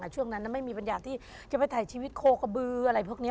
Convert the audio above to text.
ช่วงนั้นไม่มีปัญญาที่จะไปถ่ายชีวิตโคกระบืออะไรพวกนี้